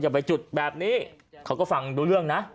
ไปจุดแบบนี้เขาก็ฟังรู้เรื่องนะ